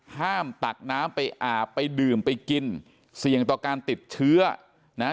ตักน้ำไปอาบไปดื่มไปกินเสี่ยงต่อการติดเชื้อนะฮะ